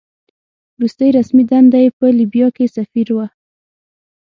وروستۍ رسمي دنده یې په لیبیا کې سفیر وه.